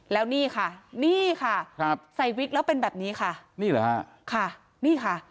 แล้วนี่ค่ะนี่ค่ะครับใส่วิกแล้วเป็นแบบนี้ค่ะนี่เหรอฮะค่ะนี่ค่ะ